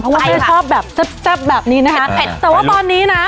เพราะว่าแม่ชอบแบบแซ่บแซ่บแบบนี้นะคะแต่ว่าตอนนี้นะ